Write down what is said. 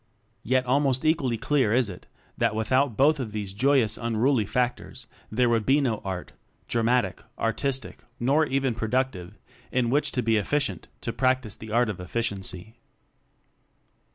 Yet, almost equally clear is it, that without both of these joyous unruly factors there would be no Art dramatic, artistic, nor even produc tive in which to be efficient, to prac tice the Art of Efficiency.